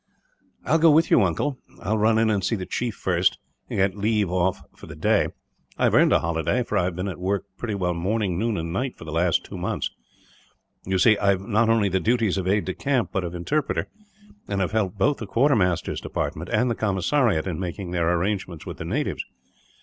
"I will go with you, uncle. I will run in and see the chief, first, and get leave off for the day. I have earned a holiday, for I have been at work pretty well morning, noon, and night for the last two months. You see, I have not only the duties of aide de camp, but of interpreter; and have helped both the quartermaster's department and the commissariat in making their arrangements with the natives.